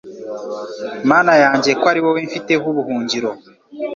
Mana yanjye ko ari wowe mfiteho ubuhungiro